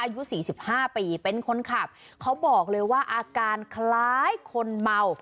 อายุ๔๕ปีเป็นคนขับเขาบอกเลยว่าอาการคล้ายคนเมา